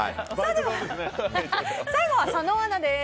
最後は佐野アナです。